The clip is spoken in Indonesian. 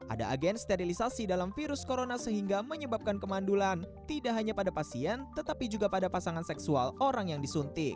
ada agen sterilisasi dalam virus corona sehingga menyebabkan kemandulan tidak hanya pada pasien tetapi juga pada pasangan seksual orang yang disuntik